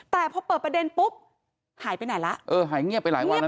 แต่พอเปิดประเด็นปุ๊บหายไปไหนแล้วเออหายเงียบไปหลายวันแล้ว